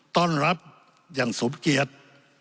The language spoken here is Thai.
ต้อนรับอย่างสมเกียจ